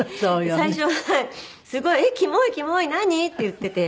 最初はすごい「きもいきもい。何？」って言っていて。